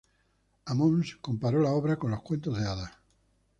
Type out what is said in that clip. Ammons comparó la obra con los cuentos de hadas.